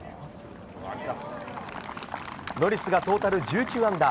ノリスがトータル１９アンダー。